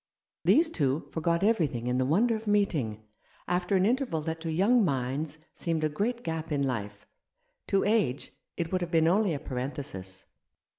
These two forgot everything in the wonder of meeting, after an interval that to young minds seemed a great gap in life. To age it would have been only a parenthesis.